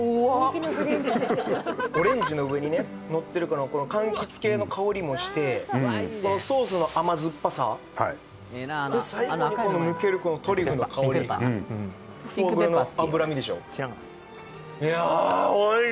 オレンジの上にねのってるからこのかんきつ系の香りもしてこのソースの甘酸っぱさで最後に抜けるこのトリュフの香りフォアグラの脂身でしょいや